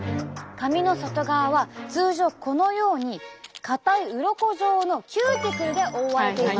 髪の外側は通常このように硬いうろこ状のキューティクルで覆われています。